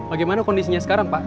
bagaimana kondisinya sekarang pak